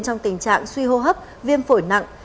trong tình trạng suy hô hấp viêm phổi nặng